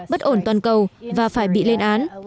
bất ổn toàn cầu và phải bị lên án